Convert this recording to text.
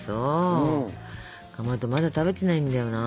かまどまだ食べてないんだよな。